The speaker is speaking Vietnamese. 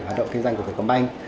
hoạt động kinh doanh của cái công anh